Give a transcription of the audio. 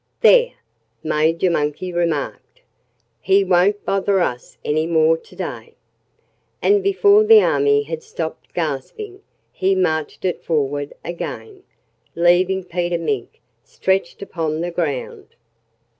"There!" Major Monkey remarked. "He won't bother us any more to day." And before the army had stopped gasping, he marched it forward again, leaving Peter Mink stretched upon the ground.